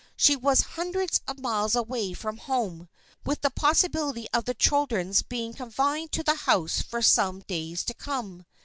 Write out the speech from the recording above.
She was hundreds of miles away from home with the possibility of the children's being confined to the house for some days to come.